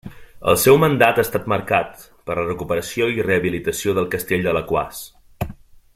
El seu mandat ha estat marcat per la recuperació i rehabilitació del Castell d'Alaquàs.